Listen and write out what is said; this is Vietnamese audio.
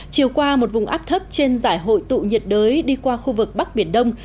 chiều qua một vùng áp thấp trên giải hội tụ nhiệt đới đi qua khu vực bắc biển đông